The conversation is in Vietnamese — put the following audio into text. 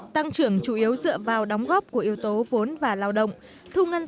tăng trưởng chủ yếu dựa vào đóng góp của yếu tố vốn và lao động